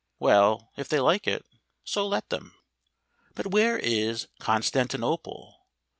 Well, if they like it, so let them. But where is Constantinople